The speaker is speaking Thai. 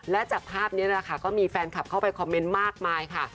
และจากภาพนี้นะคะก็มีแฟนคลับเข้าไปคอมเมนต์มากมายค่ะ